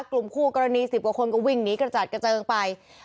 กลุ่มคู่กรณี๑๐กว่าคนก็วิ่งหนีกระจัดกระเจิงไป